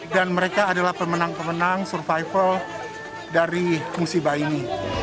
dan mereka adalah pemenang pemenang survival dari fungsi baini